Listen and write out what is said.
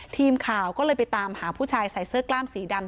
ทีมข่าวก็เลยไปตามหาผู้ชายใส่เสื้อกล้ามสีดำ